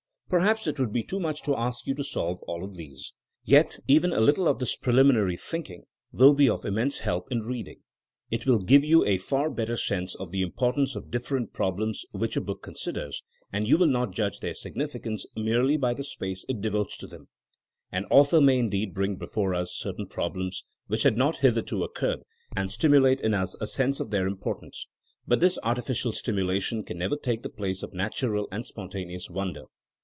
Perhaps it would be too much to ask you to solve all of these. Yet even a little of this preliminary thinking will be of immense help in reading. It will give you a far better sense of the importance of different prob lems which a book considers, and you will not judge their significance merely by the space it devotes to them. An author may indeed bring before us certain problems which had not hith erto occurred, and stimulate in us a sense of their importance. But this artificial stimula tion can never take the place of natural and spontaneous wonder.